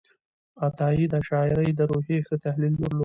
عطایي د شاعرۍ د روحیې ښه تحلیل درلود.